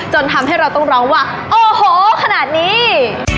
จนทำให้เราต้องร้องว่าโอ้โหขนาดนี้